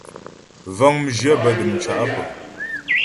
Vəŋ mjyə̂ bə́ dəmcá pə́.